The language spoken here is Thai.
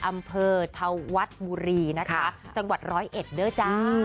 อำเภอเทาวัดบุรีนะคะจังหวัด๑๐๑เดียวจ้า